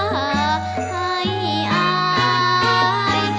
ให้อาย